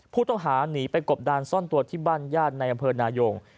ผู้ต้องหาหนีไปกบดานซ่อนตัวที่บ้านญาติในอำเภอนายง